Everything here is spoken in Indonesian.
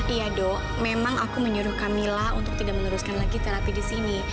iya dok memang aku menyuruh camilla untuk tidak meneruskan lagi terapi di sini